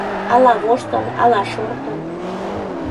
Ала воштыл, ала шортын